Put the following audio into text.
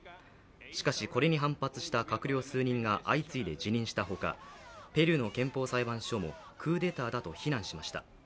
しかしこれに反発した閣僚数人が相次いで辞任したほかペルーの憲法裁判所もクーデターだと非難しました。